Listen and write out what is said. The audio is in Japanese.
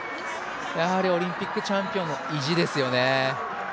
やはりオリンピックチャンピオンの意地ですよね。